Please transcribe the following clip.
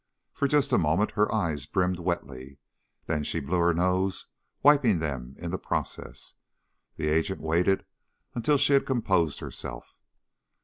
For just a moment her eyes brimmed wetly, then she blew her nose, wiping them in the process. The agent waited until she had composed herself.